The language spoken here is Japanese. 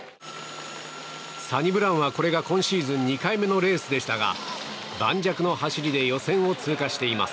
サニブラウンはこれが今シーズン２回目のレースでしたが盤石の走りで予選を通過しています。